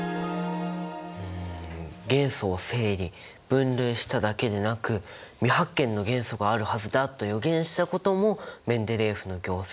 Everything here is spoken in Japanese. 元素を整理分類しただけでなく未発見の元素があるはずだと予言したこともメンデレーエフの業績なのか。